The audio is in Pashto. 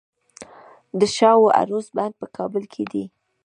د شاه و عروس بند په کابل کې دی